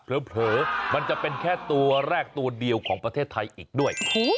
เผลอมันจะเป็นแค่ตัวแรกตัวเดียวของประเทศไทยอีกด้วย